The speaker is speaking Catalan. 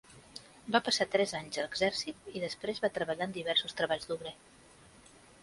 Va passar tres anys a l'exèrcit i després va treballar en diversos treballs d'obrer.